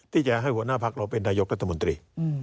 ที่จะให้หัวหน้าพักเราเป็นนายกรัฐมนตรี